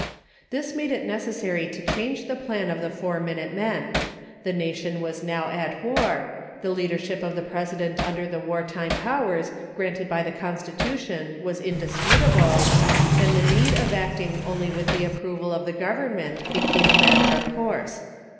This made it necessary to change the plan of the Four Minute Men. The nation was now at war, the leader ship of the President under the war time powers granted by the Constitution was undisputable, and the need of acting only with the approval of the Government became a matter of course.